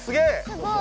すごい。